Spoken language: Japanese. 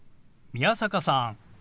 宮坂さん